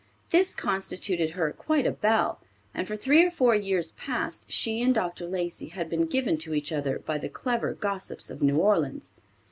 This constituted her quite a belle, and for three or four years past she and Dr. Lacey had been given to each other by the clever gossips of New Orleans.